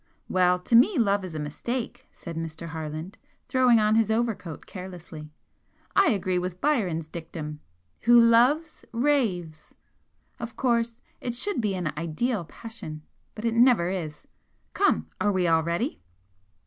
"Well, to me love is a mistake," said Mr. Harland, throwing on his overcoat carelessly "I agree with Byron's dictum 'Who loves, raves!' Of course it should be an ideal passion but it never is. Come, are we all ready?"